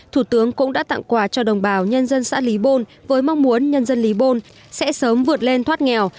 thủ tướng cũng đã tặng quà cho đồng bào nhân dân xã lý bôn với mong muốn nhân dân lý bôn sẽ sớm vượt lên thoát nghèo